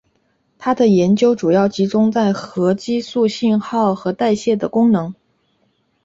他的研究主要集中在核激素信号和代谢的功能。